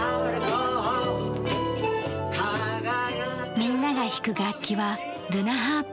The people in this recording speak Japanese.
みんなが弾く楽器はルナ・ハープ。